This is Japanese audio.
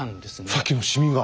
さっきのシミが！